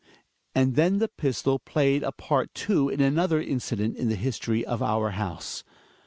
And then the pistol played a yart too in another incident in the history of our house.